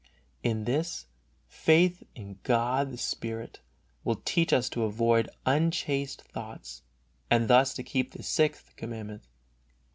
In this faith in God the Spirit will teach us to avoid unchaste thoughts and thus to keep the Sixth Commandment.